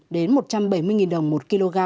đến một trăm bảy mươi đồng một kg